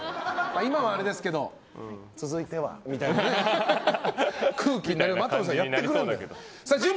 今はあれですけど続いてはみたいな空気になるけど真飛さんはやってくれるんだ。